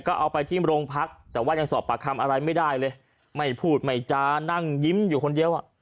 ก็เอาไปที่โรงพักแต่ว่ายังสอบปากคำอะไรไม่ได้เลยไม่พูดไม่จานั่งยิ้มอยู่คนเดียวอ่ะ